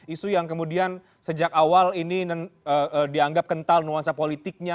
isu yang kemudian sejak awal ini dianggap kental nuansa politiknya